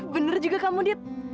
bener juga kamu dit